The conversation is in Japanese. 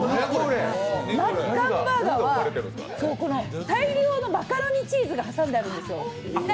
マッカンバーガーは大量のマカロニチーズが挟んであるんですよ。